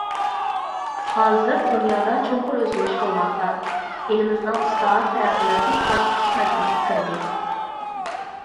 ھازىر دۇنيادا چوڭقۇر ئۆزگىرىش بولماقتا، ئېلىمىزنىڭ ئىسلاھات، تەرەققىياتى ئاچقۇچلۇق مەزگىلگە كىردى.